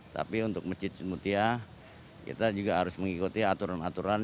tapi untuk masjid mutia kita juga harus mengikuti aturan aturan